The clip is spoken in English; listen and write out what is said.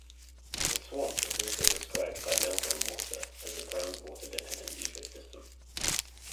The swamp is also described by Melbourne water as a ground water dependent ecosystem.